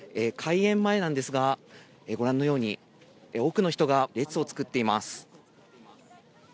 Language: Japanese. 開園前なんですが、ご覧のように、多くの人が列を作っています。